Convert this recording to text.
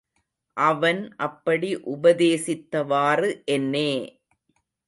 அவன் அப்படி உபதேசித்தவாறு என்னே!